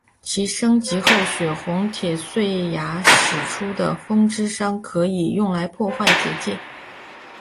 其升级后血红铁碎牙使出的风之伤可以用来破坏结界。